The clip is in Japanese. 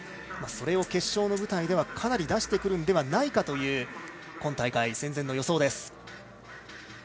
それを決勝の舞台ではかなり出してくるのではないかという今大会戦前の予想です。